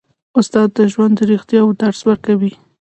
استاد د ژوند د رښتیاوو درس ورکوي.